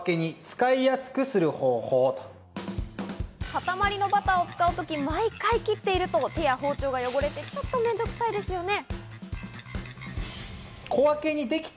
固まりのバターを使うとき、毎回切っていると手や包丁が汚れてちょっと面倒くさいですよね。